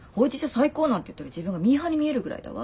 最高なんて言ってる自分がミーハーに見えるぐらいだわ。